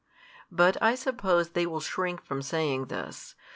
But I suppose they will shrink from saying this.